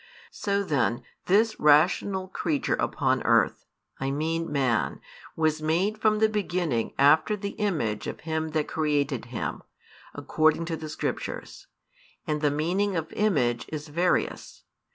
So then this rational creature upon earth, I mean man, was made from the beginning after the image of Him that created him, according to the Scriptures; and the meaning of image is various.